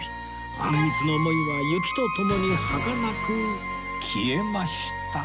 あんみつの思いは雪とともに儚く消えました